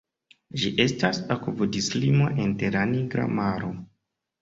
Ĝi estas akvodislimo inter la Nigra Maro.